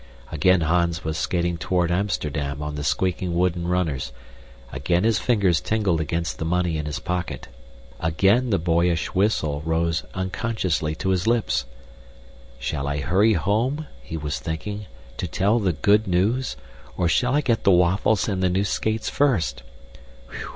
Again Hans was skating toward Amsterdam on the squeaking wooden runners; again his fingers tingled against the money in his pocket; again the boyish whistle rose unconsciously to his lips. Shall I hurry home, he was thinking, to tell the good news, or shall I get the waffles and the new skates first?